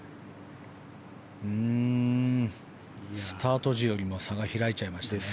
スタート時よりも差が開いちゃいましたね。